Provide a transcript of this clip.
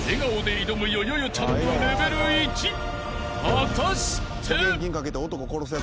［果たして？］